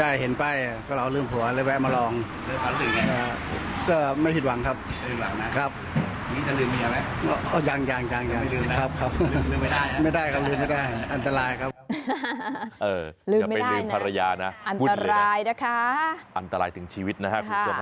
อย่าไปลืมภรรยานะอันตรายนะคะอันตรายถึงชีวิตนะครับคุณผู้ชม